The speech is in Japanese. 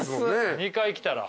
２回来たら。